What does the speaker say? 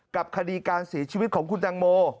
กับคดีการเสียชีวิตของคุณตังโม